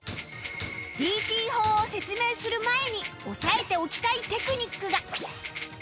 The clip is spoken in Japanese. ＤＴ 砲を説明する前に押さえておきたいテクニックが